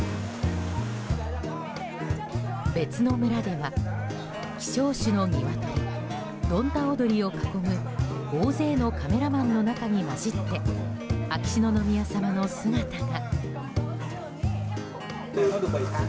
別の村では、希少種のニワトリドンタオ鶏を囲む大勢のカメラマンの中に交じって秋篠宮さまの姿が。